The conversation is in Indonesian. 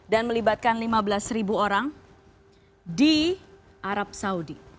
dan melibatkan lima belas ribu orang di arab saudi